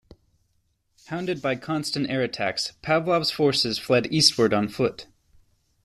Hounded by constant air attacks, Pavlov's forces fled eastward on foot.